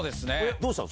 どうしたの？